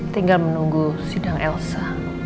tinggal menunggu sidang elsa